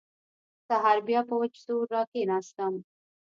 سهار بيا په وچ زور راکښېناستم.